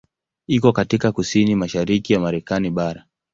Iko katika kusini mashariki ya Marekani bara.